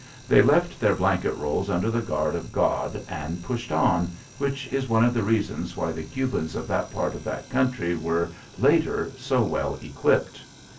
They left their blanket rolls under the guard of God and pushed on, which is one of the reasons why the Cubans of that part of the country were, later, so well equipped.